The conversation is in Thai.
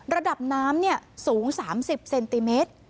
ระดับน้ำสูง๓๐เซนติเมตร